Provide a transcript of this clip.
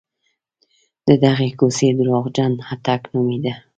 د دغې کوڅې درواغجن اټک نومېده.